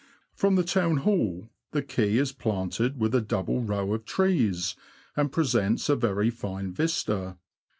From the Town Hall the Quay is planted with a double row of trees, and presents a very fine vista.